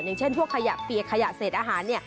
อย่างเช่นพวกขยะเปียกขยะเศษอาหาร